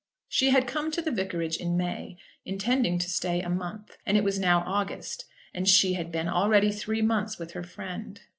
She had come to the vicarage in May, intending to stay a month, and it was now August, and she had been already three months with her friend.